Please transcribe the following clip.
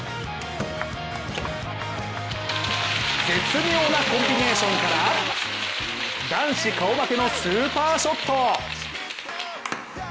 絶妙なコンビネーションから男子顔負けのスーパーショット！